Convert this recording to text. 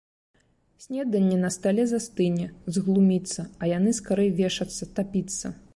Снеданне на стале застыне, зглуміцца, а яны скарэй вешацца, тапіцца!